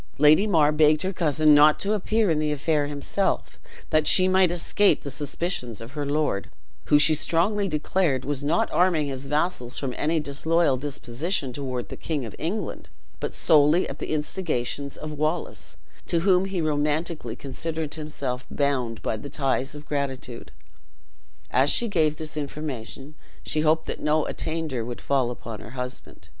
Lady Mar begged her cousin not to appear in the affair himself, that she might escape the suspicions of her lord; who, she strongly declared, was not arming his vassals from any disloyal disposition toward the king of England, but solely at the instigations of Wallace, to whom he romantically considered himself bound by the ties of gratitude. As she gave this information, she hoped that no attainder would fall upon her husband.